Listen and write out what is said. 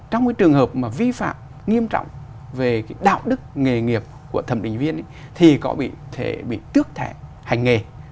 trong cái trường hợp mà vi phạm nghiêm trọng về cái đạo đức nghề nghiệp của thẩm định viên thì có bị thể bị tước thẻ hành nghề